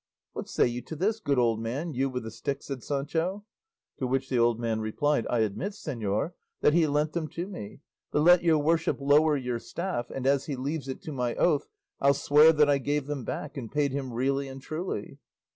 "What say you to this, good old man, you with the stick?" said Sancho. To which the old man replied, "I admit, señor, that he lent them to me; but let your worship lower your staff, and as he leaves it to my oath, I'll swear that I gave them back, and paid him really and truly."